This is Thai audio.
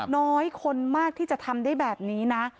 น้อยคนมากที่จะทำได้แบบนี้นะ